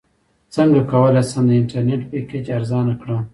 څنګه کولی شم د انټرنیټ پیکج ارزانه کړم